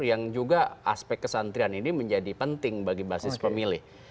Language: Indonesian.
yang juga aspek kesantrian ini menjadi penting bagi basis pemilih